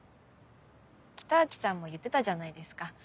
北脇さんも言ってたじゃないですか。